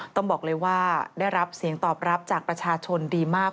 ต้องบอกเลยว่าได้รับเสียงตอบรับจากประชาชนดีมาก